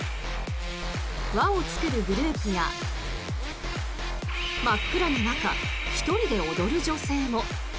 輪を作るグループや真っ暗な中、１人で踊る女性も。